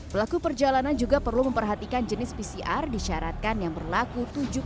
pelaku perjalanan juga perlu memperhatikan jenis pcr disyaratkan yang berlaku tujuh puluh dua jam